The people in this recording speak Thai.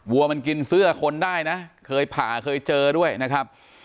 วัวมันกินเสื้อคนได้นะเคยผ่าเคยเจอด้วยนะครับ